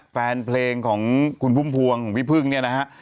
แฟนเพลงของคุณพุ่มพวงของพี่พึ่งเนี่ยนะฮะ